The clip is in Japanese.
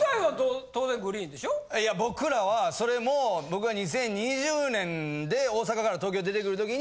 いや僕らはそれも僕が２０２０年で大阪から東京に出てくる時に。